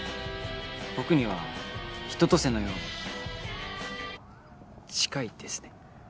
僕には春夏秋冬のような近いですね